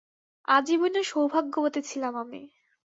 আজীবন-ই সৌভাগ্যবতী ছিলাম আমি।